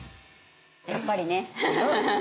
やっぱりね。